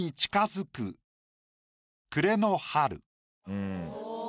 うん。